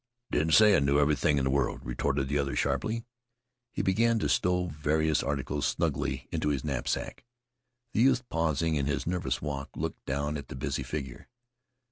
"Didn't say I knew everything in the world," retorted the other sharply. He began to stow various articles snugly into his knapsack. The youth, pausing in his nervous walk, looked down at the busy figure.